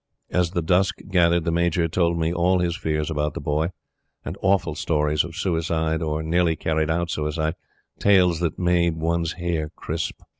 As the dusk gathered, the Major told me all his fears about The Boy, and awful stories of suicide or nearly carried out suicide tales that made one's hair crisp.